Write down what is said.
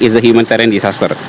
ini adalah perang manusia